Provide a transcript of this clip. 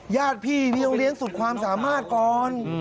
ญาติพี่นี่ต้องเลี้ยงสุดความสามารถก่อน